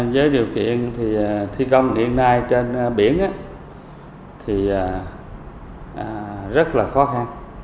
với điều kiện thì thi công hiện nay trên biển thì rất là khó khăn